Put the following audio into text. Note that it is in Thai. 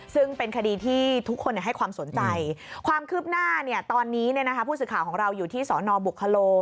ซึ่งเป็นคดีที่ทุกคนให้ความสนใจความคืบหน้าตอนนี้ผู้สื่อข่าวของเราอยู่ที่สนบุคโล